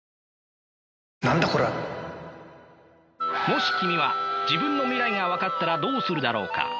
もし君は自分の未来が分かったらどうするだろうか？